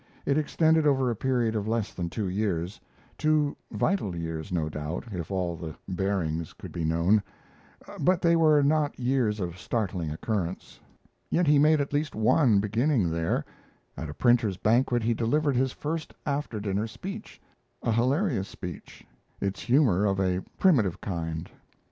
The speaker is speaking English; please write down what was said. It extended over a period of less than two years two vital years, no doubt, if all the bearings could be known but they were not years of startling occurrence. Yet he made at least one beginning there: at a printers' banquet he delivered his first after dinner speech; a hilarious speech its humor of a primitive kind.